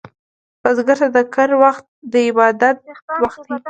بزګر ته د کر وخت عبادت وخت دی